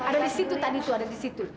ada disitu tadi tuh ada disitu